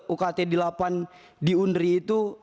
ukt delapan di undri itu